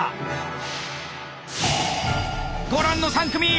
ご覧の３組！